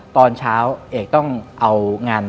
ตอนเช้าเอกต้องเอางาน